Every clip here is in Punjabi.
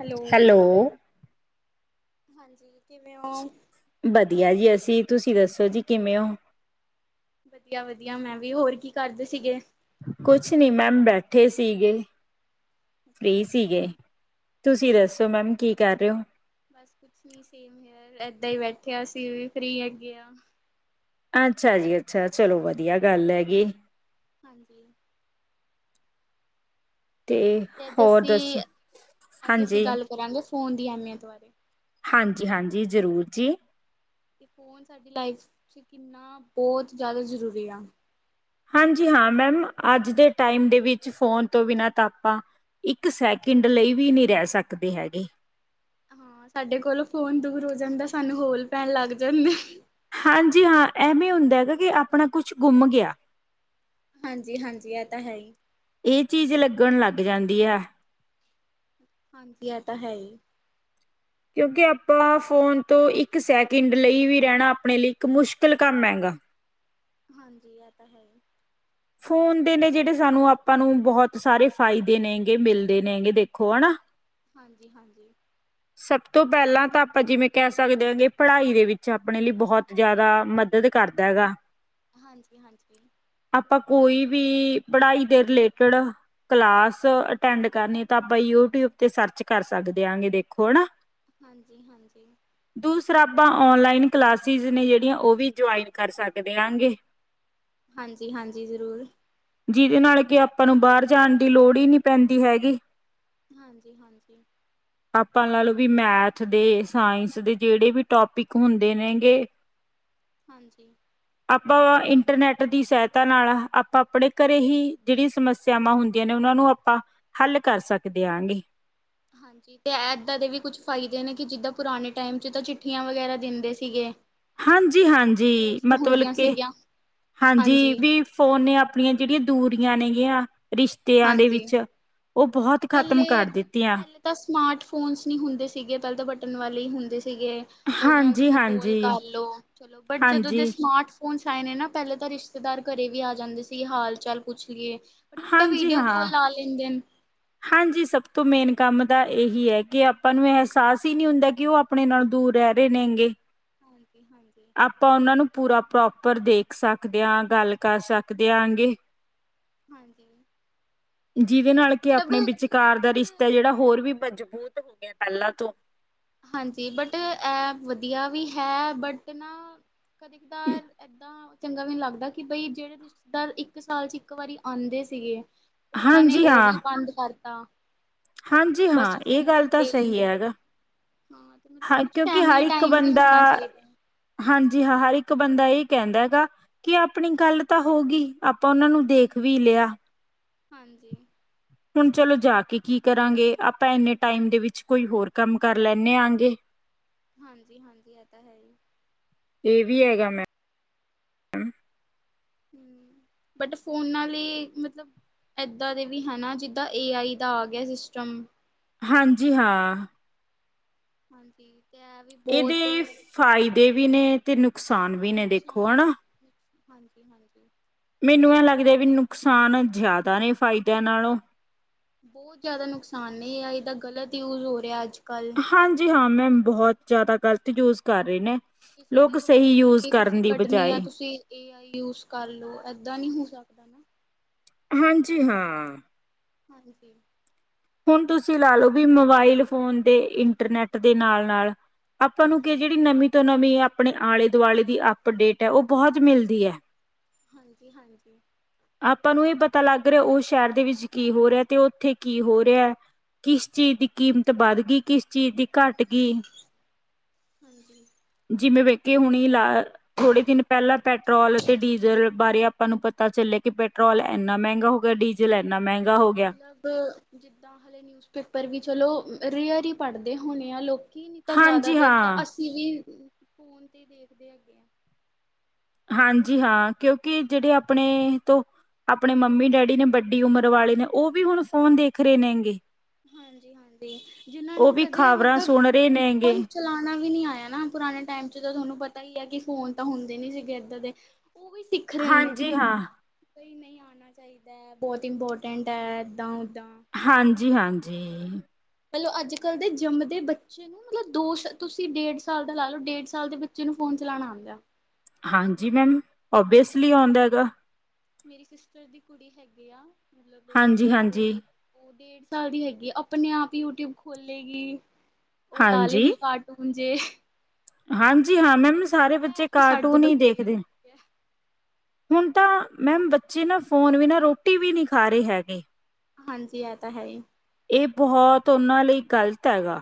ਹੈਲੋ। ਹੈਲੋ, ਹਾਂਜੀ ਕਿਵੇਂ ਔ? ਵਧੀਆ ਜੀ ਅਸੀਂ ਤੁਸੀਂ ਦੱਸੋ ਜੀ ਕਿਵੇਂ ਹੋ, ਵਧੀਆ ਵਧੀਆ ਮੈਂ ਵੀ ਹੋਰ ਕੀ ਕਰਦੇ ਸੀਗੇ, ਕੁਛ ਨਹੀਂ ਮੈਮ ਬੈਠੇ ਸੀਗੇ, ਸਹੀ ਅੱਛਾ-ਅੱਛਾ ਸੀਗੇ, ਤੁਸੀਂ ਦੱਸੋ ਮੈਮ ਕੀ ਕਰ ਰਹੇ ਹੋ? ਬਸ ਕੁਛ ਨੀ ਸੇਮ ਹੇਅਰ ਏਦਾਂ ਹੀ ਬੈਠਿਆ ਅਸੀਂ ਵੀ ਫਰੀ ਹੇਗੇ ਆ। ਅੱਛਾ ਜੀ ਅੱਛਾ ਚਲੋ ਵਧੀਆ ਗੱਲ ਹੈ ਗੀ, ਹਾਂਜੀ, ਤੇ ਅੱਜ ਹੋਰ ਅਸੀਂ ਦੱਸੋ ਅੱਜ ਅਸੀਂ ਹਾਂਜੀ, ਗੱਲ ਕਰਾਂਗੇ ਫੋਨ ਦੀ ਅਹਿਮੀਅਤ ਬਾਰੇ, ਹਾਂਜੀ ਹਾਂਜੀ ਜ਼ਰੂਰ ਜੀ, ਅਤੇ ਫੋਨ ਸਾਡੀ ਲਾਈਫ ਚ ਕਿੰਨਾ ਬਹੁਤ ਜ਼ਿਆਦਾ ਜ਼ਰੂਰੀ ਆ। ਹਾਂਜੀ ਹਾਂ ਮੈਮ ਅੱਜ ਦੇ ਟਾਈਮ ਦੇ ਵਿੱਚ ਫੋਨ ਤੋਂ ਬਿਨਾਂ ਤਾਂ ਆਪਾਂ ਇੱਕ ਸੈਕਿੰਡ ਲਈ ਵੀ ਨਹੀਂ ਰਹਿ ਸਕਦੇ ਹੈਗੇ। ਹਾਂ ਸਾਡੇ ਕੋਲੋਂ ਫੋਨ ਦੂਰ ਹੋ ਜਾਂਦਾ ਸਾਨੂੰ ਹੋਲ ਪੈਣ ਲੱਗ ਜਾਂਦੇ। ਹਾਂਜੀ, ਹਾਂ ਐਵੇਂ ਹੁੰਦਾ ਹੈਗਾ ਕਿ ਆਪਣਾ ਕੁਛ ਗੁੰਮ ਗਿਆ। ਹਾਂਜੀ ਹਾਂਜੀ ਇਹ ਤਾਂ ਹੈ ਹੀ, ਇਹ ਚੀਜ਼ ਲੱਗਣ ਲੱਗ ਜਾਂਦੀ ਹੈ, ਹਾਂਜੀ ਇਹ ਤਾਂ ਹੈ ਹੀ, ਕਿਉਂਕਿ ਆਪਾਂ ਫ਼ੋਨ ਤੋਂ ਇੱਕ ਸੈਕਿੰਡ ਲਈ ਵੀ ਰਹਿਣਾ ਆਪਣੇ ਲਈ ਇੱਕ ਮੁਸ਼ਕਲ ਕੰਮ ਹੈਗਾ। ਹਾਂਜੀ ਇਹ ਤਾਂ ਹੈ ਹੀ, ਫੋਨ ਦੇ ਨੇ ਜਿਹੜੇ ਸਾਨੂੰ ਆਪਾਂ ਨੂੰ ਬਹੁਤ ਸਾਰੇ ਫਾਇਦੇ ਨੇਗੇ ਮਿਲਦੇ ਨੇਗੇ ਦੇਖੋ ਹਨਾ। ਹਾਂਜੀ, ਹਾਂਜੀ। ਸਭ ਤੋਂ ਪਹਿਲਾਂ ਤਾਂ ਆਪਾਂ ਜਿਵੇਂ ਕਹਿ ਸਕਦੇ ਹਾਂ ਕਿ ਪੜ੍ਹਾਈ ਦੇ ਵਿੱਚ ਆਪਣੇ ਲਈ ਬਹੁਤ ਜ਼ਿਆਦਾ ਮਦਦ ਕਰਦਾ ਹੈਗਾ। ਹਾਂਜੀ, ਹਾਂਜੀ। ਆਪਾਂ ਕੋਈ ਵੀ ਪੜ੍ਹਾਈ ਦੇ ਰਿਲੇਟਡ ਕਲਾਸ ਅਟੈਂਡ ਕਰਨੀ ਤਾਂ ਆਪਾਂ ਯੂਟੀਊਬ ਤੇ ਸਰਚ ਕਰ ਸਕਦੇ ਆਾਂਗੇ ਦੇਖ ਥੋੜਾ ਹਾਂਜੀ, ਹਾਂਜੀ। ਆਪਾਂ ਔਨਲਾਈਨ ਕਲਾਸਿਸ ਨੇ ਜਿਹੜੀਆਂ ਉਹ ਵੀ ਜੁਆਇਨ ਕਰ ਸਕਦੇ ਆਗੇ। ਹਾਂਜੀ, ਹਾਂਜੀ। ਜ਼ਰੂਰ। ਜਿਹਦੇ ਨਾਲ ਕਿ ਆਪਾਂ ਨੂੰ ਬਾਹਰ ਜਾਣ ਦੀ ਲੋੜ ਈ ਨੀ ਪੈਂਦੀ ਹੈਗੀ। ਹਾਂਜੀ, ਹਾਂਜੀ। ਆਪਾਂ ਲਾ ਲਓ ਵੀ ਮੈਥ ਦੇ ਸਾਇੰਸ ਦੇ ਜਿਹੜੇ ਵੀ ਟੋਪਿਕ ਹੁੰਦੇ ਨੇਗੇ ਹਾਂਜੀ। ਆਪਾਂ ਇੰਟਰਨੈਟ ਦੀ ਸਹਾਇਤਾ ਨਾਲ ਆਪਾਂ ਆਪਣੇ ਘਰੇ ਹੀ ਜਿਹੜੀਆਂ ਸਮੱਸਿਆਵਾਂ ਹੁੰਦੀਆਂ ਨੇ ਉਹਨਾਂ ਨੂੰ ਆਪਾਂ ਹੱਲ ਕਰ ਸਕਦੇ ਹਾਂਗੇ। ਹਾਂਜੀ ਤੇ ਏਦਾਂ ਦੇ ਵੀ ਕੁਛ ਫਾਇਦੇ ਨੇ ਕਿ ਜਿੱਦਾਂ ਪੁਰਾਣੇ ਟਾਈਮ ਚ ਤਾਂ ਚਿੱਠੀਆਂ ਵਗੈਰਾ ਦਿੰਦੇ ਸੀਗੇ। ਹਾਂਜੀ, ਹਾਂਜੀ ਪੋਸਟ ਮਤਲਬ ਹੁੰਦੀਆਂ ਕੇ ਸੀਗੀਆਂ, ਹਾਂਜੀ ਵੀ ਫੋਨ ਹੁਣ ਨੇ ਆਪਣੀਆਂ ਜਿਹੜੀਆਂ ਦੂਰ ਦੀਆਂ ਨੇਗਿਆ। ਰਿਸ਼ਤਿਆਂ ਦੇ ਹਾਂਜੀ ਵਿੱਚ ਉਹ ਬਹੁਤ ਖ਼ਤਮ ਕਰ ਪਹਿਲੇ ਦਿੱਤੀਆਂ ਪਹਿਲੇ ਤਾਂ ਸਮਾਰਟ ਫੋਨਸ ਨਹੀਂ ਹੁੰਦੇ ਸੀਗੇ ਪਹਿਲੇ ਤਾਂ ਬ ਕੱਟਣ ਵਾਲੇ ਹੁੰਦੇ ਸੀ। ਸੀਗੇ ਉਹਦੇ ਨਾਲ ਹਾਂਜੀ ਤੁਸੀਂ ਪੋਲ ਹਾਂਜੀ ਕਰ ਲੋ ਚਲੋ ਬਟ ਜਦੋਂ ਦੇ ਹਾਂਜੀ ਸਮਾਰਟ ਹੁਣ ਸਾਈਨ ਨਾ ਪਹਿਲੇ ਤਾਂ ਰਿਸ਼ਤੇਦਾਰ ਘਰੇ ਵੀ ਆ ਜਾਂਦੇ ਸੀ ਹਾਲ ਚਾਲ ਪੁੱਛ ਲਿਏ। ਬਟ ਹੁਣ ਤਾਂ ਹਾਂਜੀ ਵੀਡੀਓ ਹਾਂ ਕੋਲ ਲਾ ਲੈਂਦੇ ਨੇ। ਹਾਂਜੀ, ਸਭ ਤੋਂ ਮੇਨ ਕੰਮ ਤਾਂ ਇਹੀ ਹੈ ਕਿ ਆਪਾਂ ਨੂੰ ਅਹਿਸਾਸ ਹੀ ਨਹੀਂ ਹੁੰਦਾ ਕਿ ਉਹ ਆਪਣੇ ਨਾਲ ਦੂਰ ਰਹਿ ਰੇਨੇਗੇ। ਹਾਂਜੀ-ਹਾਂਜੀ। ਆਪਾਂ ਉਹਨਾਂ ਨੂੰ ਪੂਰਾ ਪ੍ਰੋਪ ਪਰ ਦੇਖ ਸਕਦੇ ਹਾਂ। ਗੱਲ ਕਰ ਸਕਦੇ ਆਂ ਅੱਗੇ ਹਾਂਜੀ ਜਿਹਦੇ ਨਾਲ ਕਿ ਆਪ ਆਪਣੇ ਮਤਲਬ ਵਿਚਕਾਰ ਦਾ ਕੁਛ ਰਿਸ਼ਤਾ ਜਿਹੜਾ ਹੋਰ ਵੀ ਮਜ਼ਬੂਤ [unintelligible] ਪਹਿਲਾਂ ਤੋਂ। ਹਾਂਜੀ, ਬਟ ਐੱਪ ਵਧੀਆ ਵੀ ਹੈ ਬਟ ਨਾ ਕਦੇ ਕਦਾਰ ਏਦਾਂ ਚੰਗਾ ਵੀ ਨ ਲੱਗਦਾ ਕਿ ਬਈ ਜਿਹੜੇ ਰਿਸ਼ਤੇਦਾਰ ਇੱਕ ਸਾਲ 'ਚ ਇੱਕ ਵਾਰੀ ਆਂਦੇ ਸੀਗੇ ਉਹਨਾਂ ਨੇ ਹਾਂਜੀ ਉਹ ਹਾਂ ਵੀ ਬੰਦ ਕਰ [inaudible] ਹਾਂਜੀ, ਹਾਂ। ਇਹ ਗੱਲ ਤਾਂ ਸਹੀ ਹੈਗਾ। ਹਾਂ ਤੇ ਮਤਲਬ ਹਾਂ, ਕੁਛ ਕਿਉਂਕਿ ਹਰ ਫੈਮਿਲੀ ਇੱਕ ਟਾਈਮ ਵੀ ਬੰਦਾ। ਹੋਣਾ ਚਾਹੀਦਾ ਹੈ ਹਾਂਜੀ, ਹਾਂ। ਹਰ ਇੱਕ ਬੰਦਾ ਇਹ ਕਹਿੰਦਾ ਹੈਗਾ ਕਿ ਆਪਣੀ ਗੱਲ ਤਾਂ ਹੋ ਗਈ ਉਹਨਾਂ ਨੂੰ ਦੇਖ ਹਾਂਜੀ ਵੀ ਲਿਆ [inaudible] ਹੁਣ ਚਲੋ ਜਾ ਕੇ ਕੀ ਕਰਾਂਗੇ ਆਪਾਂ ਇੰਨੇ ਟਾਈਮ ਦੇ ਵਿੱਚ ਕੋਈ ਹੋਰ ਕੰਮ ਕਰ ਲੈਣੇ ਆ ਅੱਗੇ [inaudible] ਫ੍ਰੀ ਹੈਗਾ ਮੈਂ ਬਟ ਫੋਨਾਂ ਲਈ ਮਤਲਬ ਏਦਾਂ ਦੇ ਵੀ ਹੈ ਨਾ ਜਿੱਦਾਂ ਏ ਆਈ ਦਾ ਆ ਗਿਆ ਸਿਸਟਮ ਹਾਂਜੀ ਹਾਂ [inaudible] ਬਹੁਤ ਇਹਦੇ ਫਾਇਦੇ ਦੇ ਵੀ ਨੇ ਤੇ ਨੂੰ ਨੁਕਸਾਨ ਵੀ ਨੇ ਦੇਖੋ ਹੈਨਾ ਹ [inaudible] ਮੈਨੂੰ ਐ ਲੱਗ ਰਿਹੈ ਵੀ ਨੁਕਸਾਨ ਜਾਦਾ ਨੇ ਫਾਇਦਿਆਂ ਨਾਲੋਂ ਬਹੁਤ ਜ਼ਿਆਦਾ ਨੁਕਸਾਨ ਨਹੀਂ ਹੈ ਇਹਦਾ ਗ਼ਲਤ ਯੂਜ਼ ਹੋ ਰਿਹਾ ਅੱਜ ਹਾਂਜੀ ਹਾਂ ਮੈਮ ਬਹੁਤ ਜਿਆਦਾ ਗ਼ਲਤ ਯੂਜ਼ ਕਰ ਰਹੇ ਨੇ [unintelligible] ਲੋਕ ਸਹੀ ਯੂਜ ਦੁਸ਼ਮਣੀ ਕਰਨ ਤੁਸੀਂ ਦੀ ਕੱਢਣੀ ਹੈ ਬਜਾਏ ਤੁਸੀਂ ਏ ਆਈ ਯੂਜ਼ ਕਰ ਲੋ ਏਦਾਂ ਨੀ ਹੋ ਸਕਦਾ [inaudible] ਹਾਂਜੀ ਹਾਂ [inaudible] ਹੁਣ ਤੁਸੀਂ ਲਾ ਲਓ ਵੀ ਮੋਬਾਈਲ ਫੋਨ ਦੇ ਇੰਟਰਨੈਟ ਦੇ ਨਾਲ ਨਾਲ ਆਪਾਂ ਨੂੰ ਕਿ ਜਿਹੜੀ ਨਵੀਂ ਤੋਂ ਨਵੀਂ ਆਪਣੇ ਆਲੇ ਦੁਆਲੇ ਦੀ ਅਪਡੇਟ ਹੈ ਉਹ ਬਹੁਤ ਮਿਲਦੀ ਹੈ ਆਪਾਂ ਨੂੰ ਇਹ [inaudible] ਪਤਾ ਲੱਗ ਰਿਹਾ ਉਹ ਸ਼ਹਿਰ ਦੇ ਵਿੱਚ ਕੀ ਹੋ ਰਿਹਾ ਤੇ ਉੱਥੇ ਕੀ ਹੋਰ ਹੈ ਕਿਸ ਚੀਜ਼ ਦੀ ਕੀਮਤ ਵੱਧ ਗਈ ਕਿਸ ਚੀਜ਼ ਦੀ ਘੱਟ ਗਈ ਹਾਂਜੀ ਹਾਂਜੀ ਜੀਵੇੈਂ ਵੇਖ ਕਿ ਹੁਣੀ ਲਾ ਥੋੜੇ ਦਿਨ ਪਹਿਲਾਂ ਪੈਟਰੋਲ ਅਤੇ ਡੀਜ਼ਲ ਬਾਰੇ ਆਪਾਂ ਨੂੰ ਪਤਾ ਚੱਲਿਆ ਕਿ ਪੈਟਰੋਲ ਇੰਨਾ ਮਹਿੰਗਾ ਹੋ ਗਿਆ ਡੀਜ਼ਲ ਇੰਨਾ ਮਹਿੰਗ ਮਤਲਬ ਜਿੱ ਤਾਂ ਹਾਲੇ ਨਿਊਜ਼ਪੇਪਰ ਵੀ ਚਲੋ ਰੇਅਰ ਹੀ ਪੜ੍ਹਦੇ ਹੋਣੇ ਆ ਲੋਕ ਕੀ ਨਹੀਂ ਤਾਂ ਹਾਂਜੀ ਜ਼ਿਆਦਾਤਰ ਤਾਂ ਹਾਂ ਅਸੀਂ ਵੀ ਫੋਨ ਤੇ ਦੇਖਦੇ ਹੈਗੇ ਆ ਹਾਂਜੀ ਹਾਂ ਕਿਉਂਕਿ ਜਿਹੜੇ ਆਪਣੇ ਤੋਂ ਆਪਣੇ ਮੰਮੀ ਡੈਡੀ ਨੇ ਵੱਡੀ ਉਮਰ ਵਾਲੇ ਨੇ ਉਹ ਵੀ ਹੁਣ ਫੋਨ ਦੇਖ ਰਹੇ ਨੇਗੇ ਹਾਂਜੀ ਹਾਂਜੀ ਜਿਨਾਂ ਉਹ ਨੂੰ ਵੀ ਕਦੇ ਖ਼ਬਰਾਂ ਮਤਲਬ ਸੁਣ ਰਹੇ ਨੇਗੇ ਫੋਨ ਚਲਾਉਣਾ ਵੀ ਨੀ ਆਇਆ ਨਾ ਪੁਰਾਣੇ ਟਾਈਮ ਚ ਤਾਂ ਤੁਹਾਨੂੰ ਪਤਾ ਹੀ ਹੈ ਕਿ ਫੋਨ ਤਾਂ ਹੁੰਦੇ ਨੀ ਸੀਗੇ ਏਦਾਂ ਦੇ ਉਹ ਵੀ ਸਿੱਖ ਰਹੇ ਨੇ ਹਾਂਜੀ ਹਾਂ ਣਾ ਚਾਹੀਦਾ ਹੈ ਬਹੁਤ ਇੰਪੋਰਟੈਂਟ ਹੈ ਏਦਾਂ ਦਾਂ, ਹਾਂਜੀ ਹਾਂਜੀ, ਅੱਜ ਕੱਲ ਦੇ ਜੰਮਦੇ ਬੱਚੇ ਨੂੰ ਮਤਲਬ ਦੋ ਤੁਸੀਂ ਡੇਢ ਸਾਲ ਦਾ ਲਾ ਲਓ ਡੇਢ ਸਾਲ ਦੇ ਬੱਚੇ ਨੂੰ ਫੋਨ ਚਲਾਣਾ ਆਦਾ। ਹਾਂਜੀ ਮੈਮ ਓਬਵੀਅਸਲੀ ਆਉਦਾ ਗਾ, ਮੇਰੀ ਸਿਸਟਰ ਦੀ ਕੁੜੀ ਹੈਗੀ ਆ। ਮਤਲਬ ਹਾਂਜੀ ਤੇ ਹਾਂਜੀ ਉਹ ਡੇੜ, ਸੱਲ ਦੀ ਹੈਗੀ ਆਪਣੇ ਆਪ ਹੀ ਯੂਟੀਊਬ ਖੋਲੇਗੀ। ਉਹ ਲਾ ਹਾਂਜੀ ਲਏਗੀ ਕਾਰਟੂਨ, ਜੇ, ਹਾਂਜੀ ਹਾਂ ਤੇ ਮੈਮ ਮੈਂ ਸਾਰੇ ਕਿਹਾ ਬੱਚੇ ਤੇ ਸਾਡੇ ਕਾਰਟੂਨ ਤੋਂ ਹੀ ਵਧੀਆ ਦੇਖਦੇ, ਲੱਗਿਆ। ਹੁਣ ਤਾਂ ਮੈਮ ਬੱਚੇ ਨਾ ਫੋਨ ਵੀ ਨਾ ਰੋਟੀ ਵੀ ਨਹੀਂ ਖਾ ਰਹੇ ਹੈਗੇ, ਹਾਂਜੀ ਇਹ ਤਾਂ ਹੈ ਹੀ, ਇਹ ਬਹੁਤ ਉਹਨਾਂ ਲਈ ਗ਼ਲਤ ਹੈਗਾ।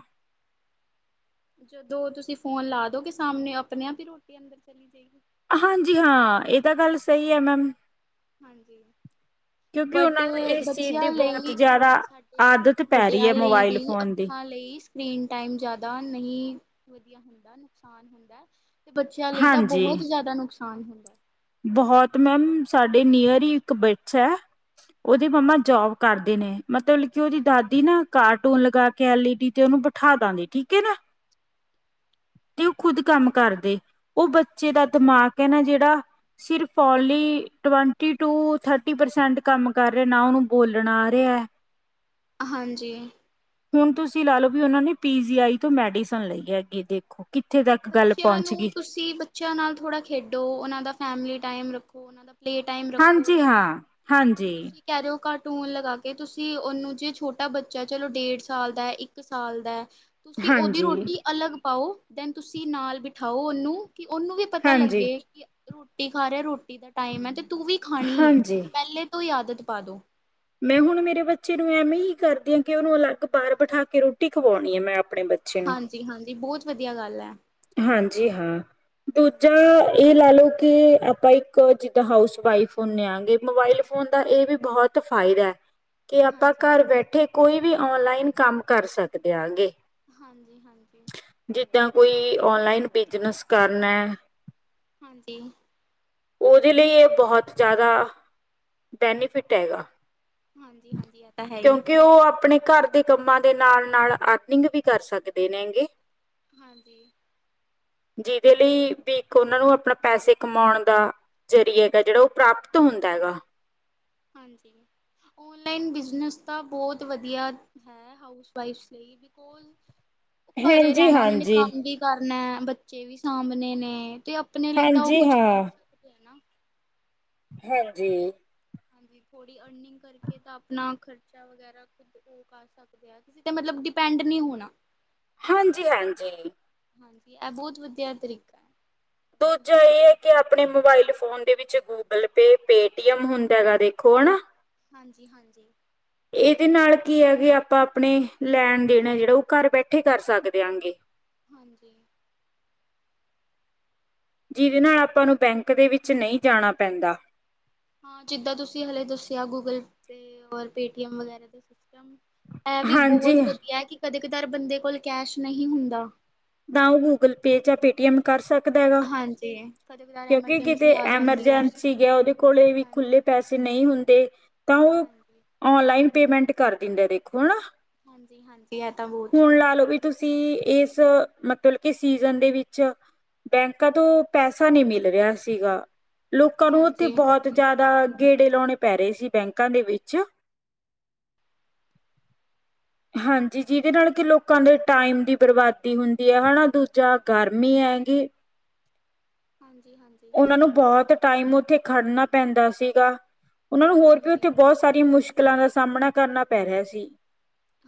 ਜਦੋਂ ਤੁਸੀਂ ਫੋਨ ਲਾ ਦੋਗੇ ਸਾਹਮਣੇ ਆਪਣੇ ਆਪ ਹੀ ਰੋਟੀ ਅੰਦਰ ਚਲੀ ਜਾਏਗੀ। ਹਾਂਜੀ ਹਾਂ ਇਹ ਤਾਂ ਗੱਲ ਸਹੀ ਹੈ ਮੈਮ, ਹਾਂਜੀ ਕਿਉਂਕਿ ਬਟ ਉਹਨਾਂ ਨੂੰ ਇਸ ਚੀਜ਼ ਦੀ ਬੱਚਿਆਂ ਬਹੁਤ ਲਈ ਜ਼ਿਆਦਾ ਸਾਡੇ ਆਦਤ ਪੈ ਰਹੀ ਵੱਡਿਆਂ ਹੈ ਲਈ ਮੋਬਾਇਲ ਵੀ ਫੋਨ ਦੀ ਅੱਖਾਂ ਲਈ ਸਕ੍ਰਰੀਨ ਟਾਈਮ ਜ਼ਿਆਦਾ ਨਹੀਂ, ਵਧੀਆ ਹੁੰਦਾ ਨੁਕਸਾਨ ਹੁੰਦਾ। ਤੇ ਬੱਚਿਆਂ ਲਈ ਤਾਂ ਹਾਂਜੀ ਬਹੁਤ ਜ਼ਿਆਦਾ ਨੁਕਸਾਨ ਹੁੰਦਾ। ਬਹੁਤ ਮੈਮ ਸਾਡੇ ਨੀਅਰ ਹੀ ਇੱਕ ਬੱਚਾ, ਉਹਦੀ ਮੰਮਾ ਹਾਂ ਜੋਬ ਕਰਦੇ ਨੇ, ਮਤਲਬ ਕਿ ਉਹਦੀ ਹਾਂਜੀ ਦਾਦੀ ਨਾ ਕਾਰ ਟੁਨ ਲਗਾ ਕੇ ਐਲ ਈ ਡੀ ਚ ਉਹਨੂੰ ਬਿਠਾ ਦਿੰਦੀ ਠੀਕ ਹੈ ਨਾ, ਤੇ ਉਹ ਖੁਦ ਕੰਮ ਹੂੰ ਕਰਦੇ, ਉਹ ਬੱਚੇ ਦਾ ਦਿਮਾਗ ਹੈ ਨਾ ਜਿਹੜਾ ਜਿਹੜਾ ਸਿਰਫ ਹਾਂਜੀ only twenty two thirty percent ਕੰਮ ਕਰ ਰਿਹਾ ਨਾ ਉਹਨੂੰ ਬੋਲਣ ਆ ਰਿਹਾ। ਹਾਂਜੀ, ਹੁਣ ਤੁਸੀਂ ਲਾ ਲਓ ਵੀ ਉਹਨਾਂ ਨੇ ਪੀ ਜੀ ਆਈ ਤੋਂ ਮੈਡੀਸਨ ਲਈ ਹੈਗੀ ਦੇਖੋ ਕਿੱਥੇ ਤੱਕ ਗੱਲ ਬੱਚਿਆਂ ਪਹੁੰਚ ਨੂੰ ਗੀ। ਤੁਸੀਂ ਬੱਚਿਆਂ ਨਾਲ ਥੋੜ੍ਹਾ ਖੇਡੋ ਉਹਨਾਂ ਦਾ ਫੈਮਲੀ ਟਾਈਮ ਰੱਖੋ, ਉਹਨਾਂ ਦਾ ਟਾਈਮ ਰੱਖੋ ਹਾਂਜੀ ਹਾਂ, ਹੁਣ ਹਾਂਜੀ। ਤੁਸੀਂ ਕਹਿ ਰਹੇ ਓ ਘੱਟ ਟੂਨ ਲਗਾ ਕੇ ਤੁਸੀਂ ਉਹਨੂੰ ਜੇ ਛੋਟਾ ਬੱਚਾ ਚਲੋ ਡੇਢ ਸਾਲ ਦਾ ਇੱਕ ਸਾਲ ਦਾ ਤੁਸੀਂ ਉਹਦੀ ਹਾਂਜੀ, ਰੋਟੀ ਅਲੱਗ ਪਾਓ। ਦੈਨ ਤੁਸੀਂ ਨਾਲ ਬਿਠਾਓ ਉਹਨੂੰ ਕਿ ਉਹਨੂੰ ਵੀ ਪਤਾ ਹਾਂਜੀ, ਲੱਗੇ ਕਿ ਰੋਟੀ ਖਾ ਰਿਆ ਰੋਟੀ ਦਾ ਟਾਈਮ ਐ ਤੇ ਤੂੰ ਵੀ ਖਾਣੀ ਏ ਹਾਂਜੀ। ਪਹਿਲੇ ਤੋਂ ਈ ਆਦਤ ਪਾ ਦੋ। ਮੈਂ ਹੁਣ ਮੇਰੇ ਬੱਚੇ ਨੂੰ ਐਵੇਂ ਈ ਕਰਦੀ ਆ ਕੀ ਓਨੂੰ ਅਲੱਗ ਬਾਹਰ ਬਠਾ ਕੇ ਰੋਟੀ ਖਵਾਉਣੀ ਐ ਮੈਂ ਆਪ ਹਾਂਜੀ-ਹਾਂਜੀ ਬੋਤ ਵਧੀਆ ਗੱਲ ਐ। ਹਾਂਜੀ ਹਾਂ ਦੂਜਾ ਏਹ ਲਾ ਲੌ ਕਿ ਆਪਾਂ ਇੱਕ ਜਿੱਦਾਂ ਹਾਊਸ ਵਾਈਫ ਹੁੰਨੇ ਆ ਗੇ ਮੋਬਾਈਲ ਫੋਨ ਦਾ ਏ ਵੀ ਬਹੁਤ ਫਾਇਦਾ। ਕਿ ਆਪਾਂ ਹਾਂਜੀ ਘਰ ਬੈਠੇ ਕੋਈ ਵੀ ਓਨਲਾਈਨ ਕੰਮ ਕਰ ਸਕਦੇ ਆਗੇ। ਹਾਂਜੀ-ਹਾਂਜੀ, ਕੀ ਔਨਲਾਈਨ ਬਿਜਨਸ ਕਰਨਾ। ਹਾਂਜੀ। ਓਦੇ ਲਈ ਏ ਬਹੁਤ ਜ਼ਿਆਦਾ ਬੈਨੀਫਿਟ ਐ ਗਾ। ਹਾਂਜੀ-ਹਾਂਜੀ ਇਹ ਤਾਂ ਹੈ ਈ। ਆਪਣੇ ਘਰ ਦੇ ਕੰਮਾਂ ਦੇ ਨਾਲ-ਨਾਲ ਅਰਨਿੰਗ ਵੀ ਕਰ ਸਕਦੇ ਨੇ ਗੇ। ਹਾਂਜੀ। ਜਿਦੇ ਲਈ ਵੀ ਇੱਕ ਉਹਨਾਂ ਨੂੰ ਆਪਣਾ ਪੈਸੇ ਕਮਾਉਣ ਦਾ ਜ਼ਰੀਆ ਗਾ ਜੇੜਾ ਓਹ ਪ੍ਰਾਪਤ ਹੁੰਦਾ ਐਗਾ। ਹਾਂਜੀ ਓਨਲਾਈਨ ਬਿਜ਼ਨਸ ਤਾਂ ਬੋਤ ਵਧੀਆ ਹੈ ਹਾਊਸਵਾਈਫ਼ਸ ਲਈ ਬਿਕੌਜ ਓ ਘਰੇ ਰਹਿਣਾ ਓਨਾ ਨੇ ਹਾਂਜੀ-ਹਾਂਜੀ, ਕੰਮ ਵੀ ਕਰ ਅਪਣਾ ਬੱਚੇ ਵੀ ਸਾਂਭਣੇ ਨੇ ਤੇ ਆਪਣੇ ਲਈ ਤਾਂ ਓ ਹਾਂਜੀ ਕੁੱਛ ਕਰ ਹਾਂ। ਸਕਦੇ ਆ ਨਾ। ਹਾਂਜੀ। ਹਾਂਜੀ ਥੋੜ੍ਹੀ ਅਰਨਿੰਗ ਕਰਕੇ ਤਾਂ ਆਪਣਾ ਖਰਚਾ ਵਗੈਰਾ ਖੁਦ ਓ ਕਰ ਸਕਦੇ ਆ ਕਿਸੇ ਤੇ ਮਤਲਬ ਡਿਪੈਂਡ ਨੀ ਹੋਣਾ। ਹਾਂਜੀ-ਹਾਂਜੀ ਹਾਂਜੀ ਐ ਬੋਤ ਵਧੀਆ ਤਰੀਕਾ ਐ ਦੂਜਾ ਏ ਐ ਕਿ ਆਪਣੇ ਮੋਬਾਇਲ ਫੋਨ ਦੇ ਵਿੱਚ ਗੂਗਲ ਪੇ ਪੇਟੀਅਮ ਹੁੰਦਾ ਗਾ ਦੇਖੋ ਹਨਾ ਹਾਂਜੀ-ਹਾਂਜੀ ਇਦੇ ਨਾਲ ਕੀ ਆ ਕੀ ਆਪਾਂ ਆਪਣੇ ਲੈਣ ਦੇਣ ਐ ਜੇੜਾ ਓ ਘਰ ਬੈਠੇ ਕਰ ਸਕਦੇ ਆਂਗੇ। ਹਾਂਜੀ। ਜਿਦੇ ਨਾਲ ਆਪਾਂ ਨੂੰ ਬੈਂਕ ਦੇ ਵਿੱਚ ਨਈ ਜਾਣਾ ਪੈਂਦਾ। ਹਾਂ ਜਿੱਦਾਂ ਤੁਸੀਂ ਹਲੇੇ ਦੱਸਿਆ ਗੂਗਲ ਪੇ ਓਰ ਪੇਟੀਐਮ ਵਗੈਰਾ [unintelligible] ਐ ਵੀ ਬਹੁਤ ਹਾਂਜੀ ਵਧੀਆ ਕੀ ਕਦੇ ਕਦਾਰ ਬੰਦੇ ਕੋਲ ਕੈਸ਼ ਨਹੀਂ ਹੁੰਦਾ ਨਾ ਓ ਗੂਗਲ ਪੇ ਜਾਂ ਪੇਟੀਐਮ ਕਰ ਸਕ ਕਦਾ ਗਾ ਹਾਂਜੀ ਕਦੇ ਕਦਾਰ ਕਿਉਂਕਿ ਕਿਤੇ ਐਮਰਜੈਂਸੀ ਆ ਜਾਂਦੀ ਹੈ ਐਮਰਜੈਂਸੀ ਗਿਆ ਓਦੇ ਕੋਲ ਵੀ ਖੁੱਲੇ ਹਾਂਜੀ ਪੈਸੇ ਨਈ ਹੁੰ ਤੇ ਤਾਂ ਓ ਹਾਂਜੀ ਓਨਲਾਈਨ ਪੇਮੈਂਟ ਕਰ ਦਿੰਦਾ ਦੇਖੋ ਹਨਾ ਹਾਂਜੀ ਹਾਂਜੀ ਇਹ ਤਾਂ ਬਹੁਤ ਹੁਣ ਲਾ ਵਧੀਆ ਲਓ ਵੀ ਤੁਸੀਂ ਇਸ ਮਤਲਬ ਕਿ ਸੀਜਨ ਦੇ ਵਿੱਚ ਬੈਂਕਾਂ ਤੋਂ ਪੈਸਾ ਨਹੀ ਮਿਲ ਰਿਹਾ ਸੀਗਾ ਲੋਕਾਂ ਨੂੰ ਉੱਥੇ ਹਾਂਜੀ, ਹਾਂਜੀ-ਹਾਂਜੀ, ਬਹੁਤ ਜ਼ਿਆਦਾ ਦਾ ਗੇੜੇ ਲਾਉਣੇ ਪੈ ਰਹੇ ਸੀ ਬੈਂਕਾਂ ਦੇ ਵਿਚ [unintelligible] ਹਾਂਜੀ ਜਿਦੇ ਨਾਲ ਕਿ ਲੋਕਾਂ ਦੇ ਟਾਈਮ ਦੀ ਬਰਬਾਦੀ ਹੁੰਦੀ ਹੈ ਦੂਜਾ ਗਰਮੀ ਹੈਂਗੀ ਹਾਂਜੀ, ਉਹਨਾਂ ਨੂੰ ਬਹੁਤ ਟਾਈਮ ਉੱਥੇ ਖੜਨਾ ਪੈਂਦਾ ਸੀਗਾ ਉਹਨਾਂ ਨੂੰ ਹੋਰ ਵੀ ਉੱਥੇ ਹਾਂਜੀ-ਹਾਂਜੀ, ਬਹੁਤ ਸਾਰੀਆਂ ਮੁਸ਼ਕਿਲਾਂ ਦਾ ਸਾਹਮਣਾ ਕਰਨਾ ਪੈ ਰਿਹਾ ਸੀ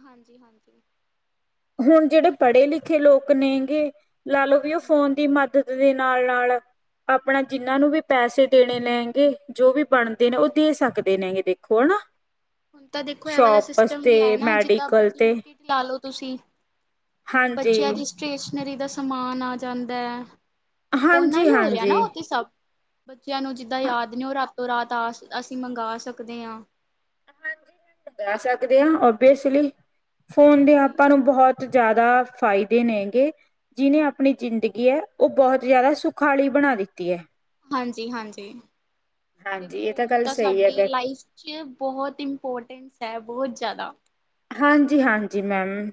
ਹਾਂਜੀ ਹਾਂਜੀ ਹੁਣ ਜਿਹੜੇ ਪੜ੍ਹੇ ਲਿਖੇ ਲੋਕ ਨੇਗੇੇ ਲਾ ਲਓ ਵੀ ਉਹ ਫੋਨ ਹਾਂਜੀ ਦੀ ਮਦਦ ਦੇ ਨਾਲ ਨਾਲ ਆਪਣਾ ਜਿੰਨਾਂ ਨੂੰ ਵੀ ਪੈਸੇ ਦੇਣੇ ਲੈਗੇ ਜੋ ਵੀ ਬਣਦੇ ਨੇ ਉਹ ਹਾਂਜੀ ਦੇ ਸਕਦੇ ਨੇ ਦੇ ਕੌਣ ਹੁਣ ਤਾਂ ਦੇਖੋ ਇਹ ਵਾਲਾ ਸਿਸਟਮ ਵੀ ਹੈ ਨਾ ਜਿੱਦਾਂ ਮੈਡੀਕਲ ਤੇ ਬਲਿੰਕੀਟ ਲਾ ਲੋੋ ਤੁਸੀਂ ਹਾਂਜੀ ਬੱਚਿਆਂ ਦੀ ਸਟੇਸ਼ਨਰੀ ਦਾ ਮਾਨ ਆ ਜਾਂਦਾ ਏ ਫੋਨ ਨਾਲ ਹਾਂਜੀ ਹੀ ਹੋ ਰਿਹਾ ਨਾ ਹਾਂਜੀ ਉਥੇ ਹਾਂ ਸਭ ਬੱਚਿਆਂ ਨੂੰ ਜਿੱਦਾਂ ਯਾਦ ਨੇ ਉਹ ਰਾਤੋ ਰਾਤ ਆ ਅਸੀਂ ਮੰਗ ਸਕਦੇ ਹਾਂ ਹਾਂਜੀ ਕਹਿ ਸਕਦੇ ਹਾਂ ਓਵੀਅਸਲੀ ਫੋਨ ਦੇ ਹਾਂਜੀ, ਆਪਾਂ ਨੂੰ ਬਹੁਤ ਜ਼ਿਆਦਾ ਫਾਇਦੇ ਨੇਗੇ ਜਿਹਨੇ ਆਪਣੀ ਜ਼ਿੰਦਗੀ ਹੈ ਉਹ ਬਹੁਤ ਜ਼ਿਆਦਾ ਸੁਖਾਲੀ ਬਣਾ ਦਿੱਤੀ ਹੈ ਹਾਂਜੀ ਹਾਂਜੀ ਤੇ ਹਾਂਜੀ ਇਹ ਫੋਨ ਗੱਲ ਤਾਂ ਸਹੀ ਹੈ ਸਾਡੀ ਗ ਲਾਈਫ ਚ ਬਹੁਤ ਇੰਪੋਰਟੈਂਸ ਹੈ ਬਹੁਤ ਜ਼ਿਆਦਾ ਹਾਂਜੀ ਹਾਂਜੀ ਮੈਮ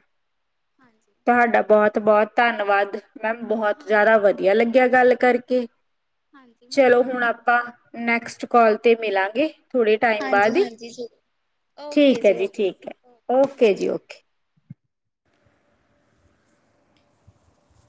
ਹਾਂਜੀ, ਤੁਹਾਡਾ ਬਹੁਤ ਬਹੁਤ ਧੰਨਵਾਦ ਮੈਮ ਬਹੁਤ ਹਾਂਜੀ। ਜ਼ਿਆਦਾ ਵਧੀਆ ਲੱਗੀ ਿਆ ਗੱਲ ਕਰਕੇ ਹਾਂਜੀ ਚਲੋ ਮੈਨੂੰ ਵੀ ਹੁਣ ਆਪਾਂ ਨੈਕਸਟ ਕਾਲ ਤੇ ਮਿਲਾਂਗੇ ਥੋੜੇ ਟਾਈਮ ਹਾਂਜੀ ਬਾਅਦ ਹੀ ਹਾਂਜੀ ਜੀ ਓਕੇ ਠੀਕ ਹੈ ਜੀ ਓਕੇ ਠੀਕ ਹੈ ਓ ਓਕੇ ਜੀ ਓਕੇ,